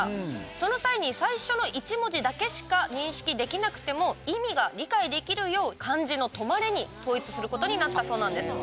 その際に最初の１文字だけしか認識できなくても意味が理解できるよう漢字の「止まれ」に統一することになったそうなんです。